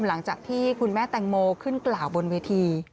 หลังจากที่คุณแม่แตงโมขึ้นกล่าวบนเวที